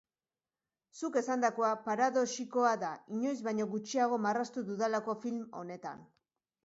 Zuk esandakoa paradoxikoa da, inoiz baino gutxiago marraztu dudalako film honetan.